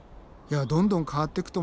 どんどん変わっていくと思うよ。